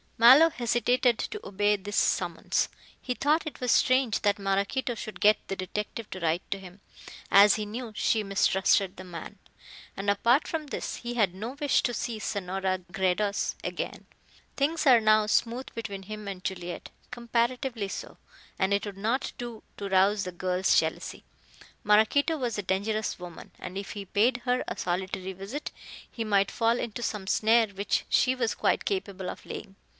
Mallow hesitated to obey this summons. He thought it was strange that Maraquito should get the detective to write to him, as he knew she mistrusted the man. And, apart from this, he had no wish to see Senora Gredos again. Things were now smooth between him and Juliet comparatively so and it would not do to rouse the girl's jealousy. Maraquito was a dangerous woman, and if he paid her a solitary visit, he might fall into some snare which she was quite capable of laying.